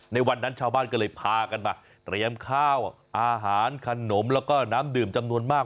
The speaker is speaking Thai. ในวันนั้นชาวบ้านก็เลยพากันมาเตรียมข้าวอาหารขนมแล้วก็น้ำดื่มจำนวนมาก